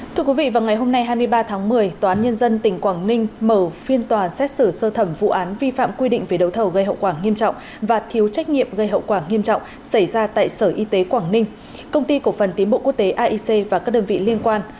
thưa quý vị vào ngày hôm nay hai mươi ba tháng một mươi tòa án nhân dân tỉnh quảng ninh mở phiên tòa xét xử sơ thẩm vụ án vi phạm quy định về đấu thầu gây hậu quả nghiêm trọng và thiếu trách nhiệm gây hậu quả nghiêm trọng xảy ra tại sở y tế quảng ninh công ty cổ phần tiến bộ quốc tế aic và các đơn vị liên quan